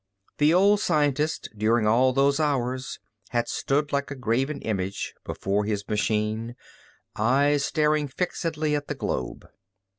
The old scientist, during all those hours, had stood like a graven image before his machine, eyes staring fixedly at the globe.